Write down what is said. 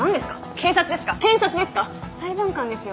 警察ですか？